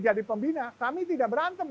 jadi pembina kami tidak berantem